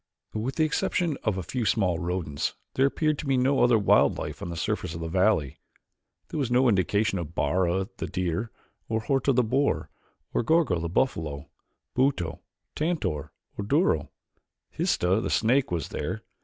With the exception of a few small rodents there appeared to be no other wild life on the surface of the valley. There was no indication of Bara, the deer, or Horta, the boar, or of Gorgo, the buffalo, Buto, Tantor, or Duro. Histah, the snake, was there.